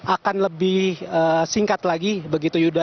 akan lebih singkat lagi begitu yuda